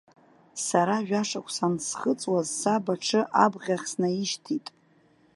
Сара жәашықәса ансхыҵуаз саб аҽы абӷахь снаишьҭит.